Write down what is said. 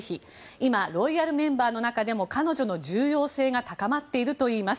今、ロイヤルメンバーの中でも彼女の重要性が高まっているといいます。